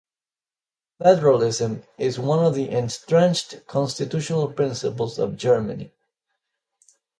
Federalism is one of the entrenched constitutional principles of Germany.